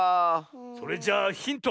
それじゃあヒント。